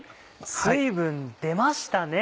水分出ましたね。